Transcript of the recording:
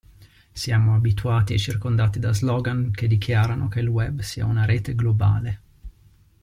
Siamo abituati e circondati da slogan che dichiarano che il web sia una rete globale.